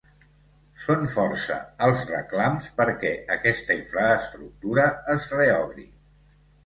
Són força els reclams perquè aquesta infraestructura es reobri.